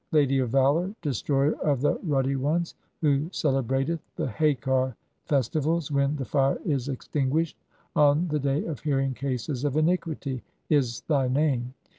'Lady of valour, destroyer of the ruddy ones, "who celebrateth the Haker festivals (?) [when] the fire is ex tinguished on the day of hearing [cases of] iniquity', is thy "name.